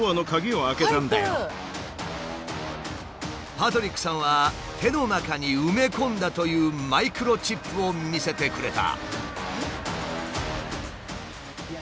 パトリックさんは手の中に埋め込んだというマイクロチップを見せてくれた。